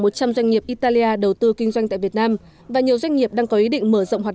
doanh nghiệp italia đầu tư kinh doanh tại việt nam và nhiều doanh nghiệp đang có ý định mở rộng hoạt